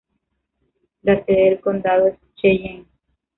La sede del condado es Cheyenne.